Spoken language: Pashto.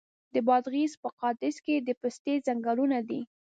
د بادغیس په قادس کې د پستې ځنګلونه دي.